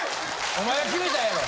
お前が決めたんやろ！